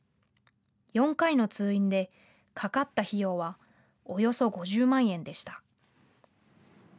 ４回の通院でかかった費用はおよそ５０万円でした。